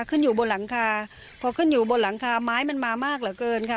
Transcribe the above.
ขึ้นอยู่บนหลังคาพอขึ้นอยู่บนหลังคาไม้มันมามากเหลือเกินค่ะ